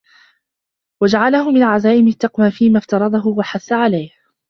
وَجَعَلَهُ مِنْ عَزَائِمِ التَّقْوَى فِيمَا افْتَرَضَهُ وَحَثَّ عَلَيْهِ